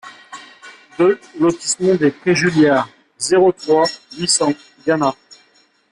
deux lotissement des Prés Juliards, zéro trois, huit cents Gannat